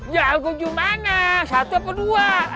ya algojo mana satu apa dua